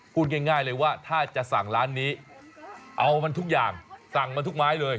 พูดง่ายเลยว่าถ้าจะสั่งร้านนี้เอามันทุกอย่างสั่งมาทุกไม้เลย